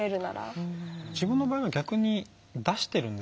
自分の場合は逆に出してるんですよね。